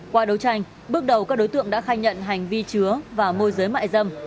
qua đấu tranh bước đầu các đối tượng đã khai nhận hành vi chứa và môi giới mại dâm